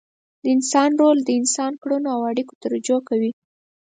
د انسان رول د انسان کړنو او اړیکو ته رجوع کوي.